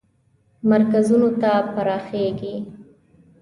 مرکزونو ته پراخیږي.